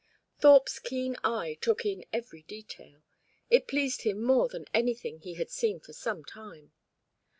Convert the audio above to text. Thorpe's keen eye took in every detail. It pleased him more than anything he had seen for some time.